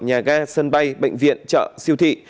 nhà ga sân bay bệnh viện chợ siêu thị